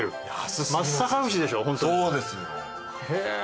そうですよ。へえ。